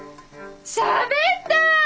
しゃべった！